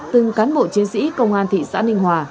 từng cán bộ chiến sĩ công an thị xã ninh hòa